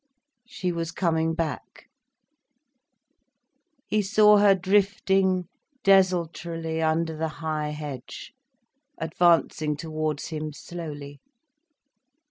She was coming back. He saw her drifting desultorily under the high hedge, advancing towards him slowly.